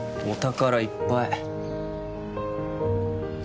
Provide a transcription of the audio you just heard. お宝いっぱい。